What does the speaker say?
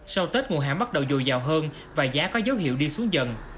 sau tết nguồn hàng bắt đầu dùi dào hơn và giá có dấu hiệu đi xuống dần